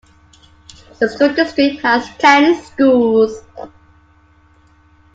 The school district has ten schools.